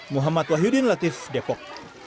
muhammad wahyudin latif depok